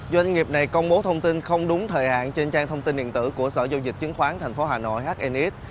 doanh nghiệp này công bố thông tin không đúng thời hạn trên trang thông tin điện tử của sở giao dịch chứng khoán tp hà nội hnx